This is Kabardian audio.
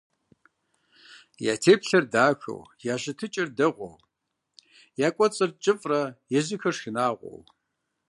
Я теплъэр дахэу, я щытыкӀэр дэгъуэу, я кӀуэцӀыр кӀыфӀрэ, езыхэр шынагъуэу.